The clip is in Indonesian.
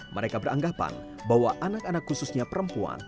mereka beranggapan bahwa anak anak khususnya perempuan